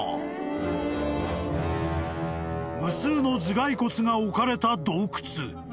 ［無数の頭蓋骨が置かれた洞窟］